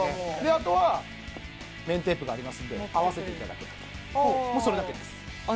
あとは綿テープがありますんで合わせていただくだけもうそれだけですあ